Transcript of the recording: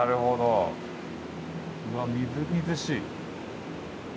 うわっみずみずしい。